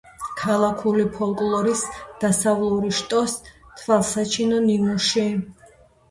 ქალაქური ფოლკლორის დასავლური შტოს თვალსაჩინო ნიმუში.